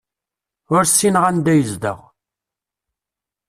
Ur ssineɣ anda yezdeɣ.